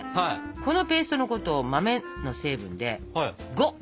このペーストのことを豆の成分で「呉」っていいます。